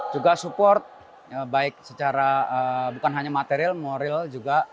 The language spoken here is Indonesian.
juga support baik secara bukan hanya material moral juga